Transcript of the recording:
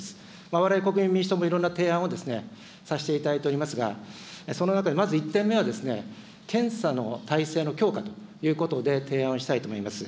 われわれ国民民主党もいろんな提案をさせていただいておりますが、その中でまず１点目はですね、検査の体制の強化ということで提案をしたいと思います。